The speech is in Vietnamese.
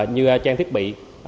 như trang thiết bị